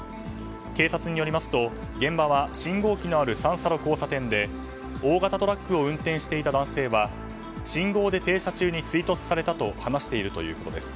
警察によりますと現場は信号機のある三差路交差点で大型トラックを運転していた男性は信号で停車中に追突されたと話しているということです。